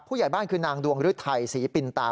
ผู้ใหญ่บ้านคือนางดวงฤทัยศรีปินตา